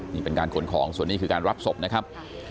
นี่เป็นการขนของส่วนนี้คือการรับศพนะครับ